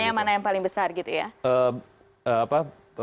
yang mana yang paling besar gitu ya